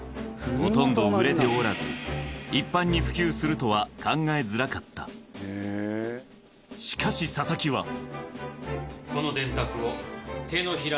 ほとんど売れておらず一般に普及するとは考えづらかったしかし佐々木ははあ？